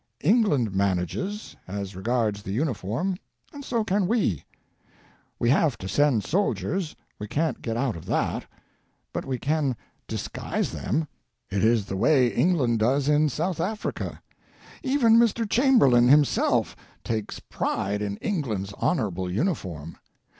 England manages, as regards the uniform, and so can we. We have to send soldiers — we can't get out of that — but we can disguise them. It is the way England does in South Africa. Even Mr. Chamberlain himself takes pride 176 THE NORTH AMERICAN REVIEW. in England's honorable uniform.